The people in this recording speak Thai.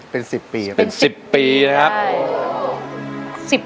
เป็น๑๐ปีครับเป็น๑๐ปีนะครับ